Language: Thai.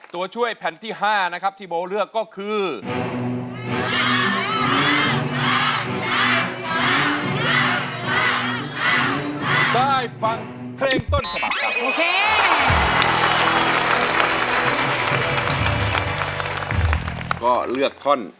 ตัวช่วยแผ่นที่๕นะครับที่โบเลือกก็คือ